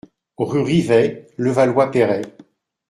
Rue Rivay, Levallois-Perret